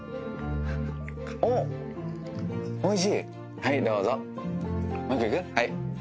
はいどうぞ。